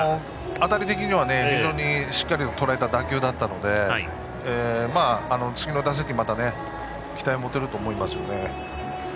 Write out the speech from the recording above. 当たり的には非常にしっかりとらえた打球だったので次の打席にも期待を持てると思いますね。